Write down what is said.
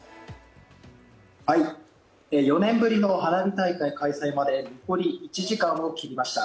４年ぶりの花火大会開催まで残り１時間を切りました。